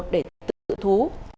để tự thú